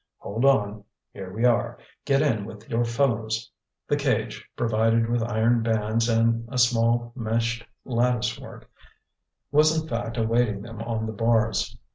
Hold on! here we are; get in with your fellows." The cage, provided with iron bands and a small meshed lattice work, was in fact awaiting them on the bars.